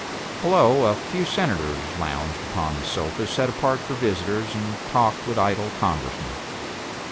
Below, a few Senators lounged upon the sofas set apart for visitors, and talked with idle Congressmen.